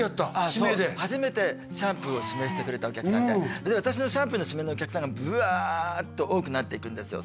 指名で初めてシャンプーを指名してくれたお客さんでで私のシャンプーの指名のお客さんがブワーッと多くなっていくんですよ